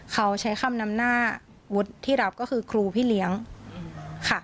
เขาใช้คำนำหน้าวุฒิที่รับก็คือครูพี่เลี้ยงค่ะ